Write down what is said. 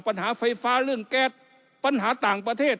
ปัญหาไฟฟ้าเรื่องแก๊สปัญหาต่างประเทศ